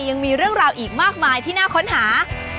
ยังมีเรื่องราวอีกมากมายที่น่าค้นหา